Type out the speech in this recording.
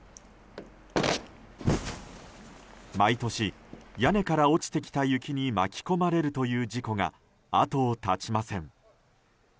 毎年、屋根から落ちてきた雪に巻き込まれるという事故が後を絶ちません。